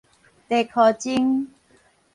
茶箍精